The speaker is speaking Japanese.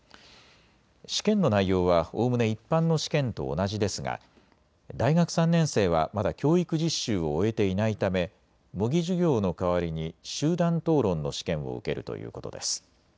試験の内容はおおむね一般の試験と同じですが大学３年生はまだ教育実習を終えていないため模擬授業の代わりに集団討論の試験を受けるということです。